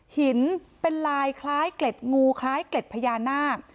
หินเป็นลายคล้ายเกล็ดงูคล้ายเกล็ดพญานาค